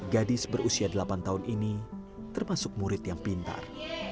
gadis berusia delapan tahun ini termasuk murid yang pintar